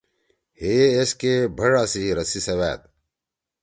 ہیے ایس کے بھڙا سی رسی سیوأد۔